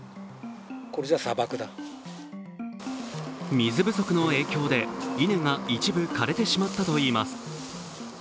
水不足の影響で稲が一部枯れてしまったといいます。